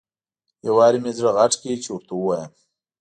یو وارې مې زړه غټ کړ چې ورته ووایم.